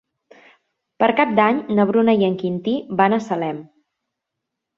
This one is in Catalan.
Per Cap d'Any na Bruna i en Quintí van a Salem.